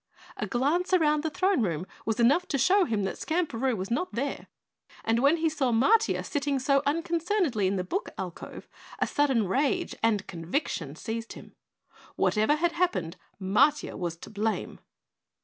A glance around the throne room was enough to show him that Skamperoo was not there, and when he saw Matiah sitting so unconcernedly in the book alcove, a sudden rage and conviction seized him. Whatever had happened, Matiah was to blame.